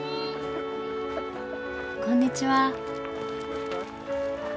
こんにちは。